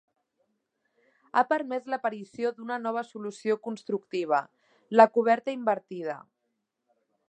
Ha permès l'aparició d'una nova solució constructiva: la coberta invertida.